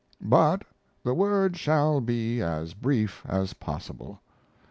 But the word shall be as brief as possible.